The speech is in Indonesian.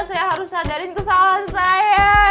saya harus sadarin kesalahan saya